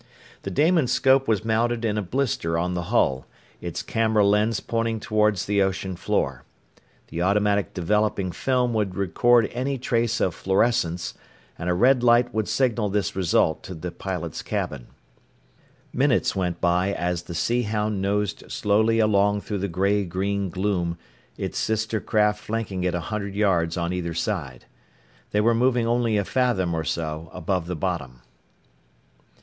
The Damonscope was mounted in a blister on the hull, its camera lens pointing toward the ocean floor. The automatic developing film would record any trace of fluorescence, and a red light would signal this result to the pilot's cabin. Minutes went by as the Sea Hound nosed slowly along through the gray green gloom, its sister craft flanking it a hundred yards on either side. They were moving only a fathom or so above the bottom.